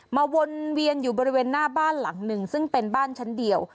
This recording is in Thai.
วนเวียนอยู่บริเวณหน้าบ้านหลังหนึ่งซึ่งเป็นบ้านชั้นเดียว